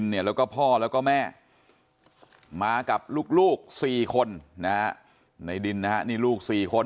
ในดินนี่แล้วก็พ่อแล้วก็แม่มากับลูก๔คนนะในดินนี่ลูก๔คน